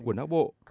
của não bộ